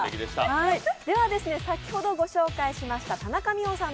では、先ほどご紹介しました田中美保さん